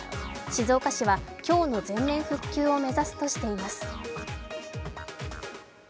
静岡市は今日の全面復旧を目指すとしています。